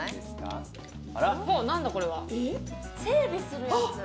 整備するやつ？